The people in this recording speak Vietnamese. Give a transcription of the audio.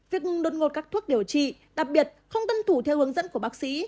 việc ngưng đốt ngột các thuốc điều trị đặc biệt không tân thủ theo hướng dẫn của bác sĩ